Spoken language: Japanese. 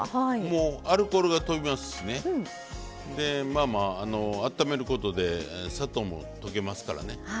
もうアルコールがとびますしねまあまああっためることで砂糖も溶けますからね。